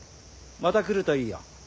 また来るといいよ。